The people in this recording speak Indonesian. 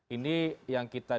ini yang kita dapatkan